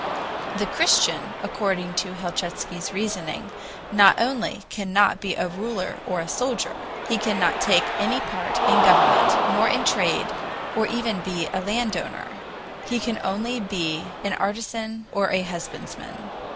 The Christian, according to Helchitsky's reasoning, not only cannot be a ruler or a soldier; he cannot take any part in government nor in trade, or even be a landowner; he can only be an artisan or a husbandman.